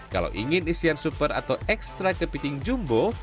kalau ingin isian super atau ekstra kepiting jumbo